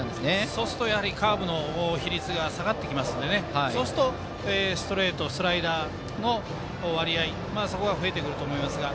そうするとカーブの比率が下がってきますのでそうすると、ストレートとスライダーの割合が増えてくると思いますが。